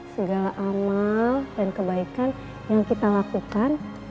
segala amal dan kebaikan yang kita lakukan